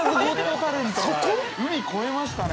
海越えましたね！